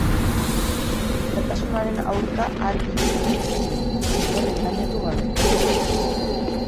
Gizatasunaren aurka argi hitz egiten du, inor engainatu gabe.